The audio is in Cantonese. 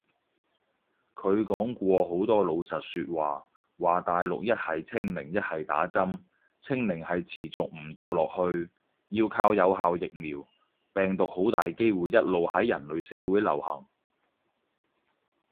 佢講過好多老實說話，話大陸一係清零一係打針，清零係持續唔到落去，要靠有效疫苗，病毒好大機會一路喺人類社會流行